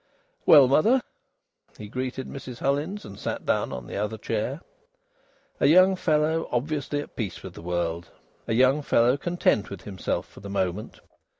"Well, mother!" he greeted Mrs Hullins, and sat down on the other chair. A young fellow obviously at peace with the world, a young fellow content with himself for the moment.